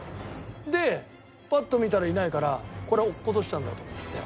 でパッと見たらいないからこれは落っことしたんだと思って。